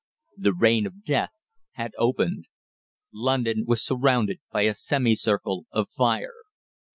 The rain of death had opened! London was surrounded by a semi circle of fire.